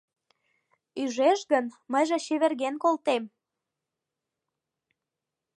Ӱжеш гын, мыйже чеверген колтем.